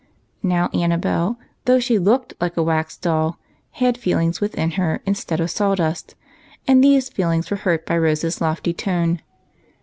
Now Annabel, though she looked like a wax doll, had feelings within her instead of sawdust, and these feelings were hurt by Rose's lofty tone.